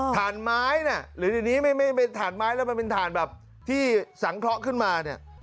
ฐานไม้น่ะหรือเดี๋ยวนี้ไม่เป็นถ่านไม้แล้วมันเป็นถ่านแบบที่สังเคราะห์ขึ้นมาเนี่ย